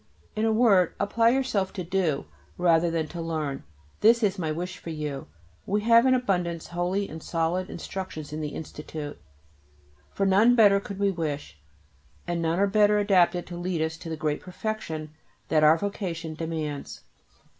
In a word, apply yourself to do rather than to learn; this is my wish for you. We have in abundance holy and solid instructions in the Institute. For none better could we wish, and none are better adapted to lead us to the great perfection that our vocation demands.